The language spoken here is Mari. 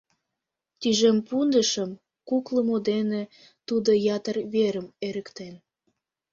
Тӱжем пундышым куклымо дене тудо ятыр верым эрыктен.